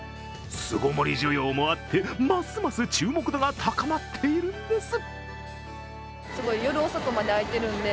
巣ごもり需要もあって、ますます注目度が高まっているんです。